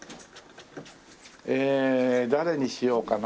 ええ誰にしようかな。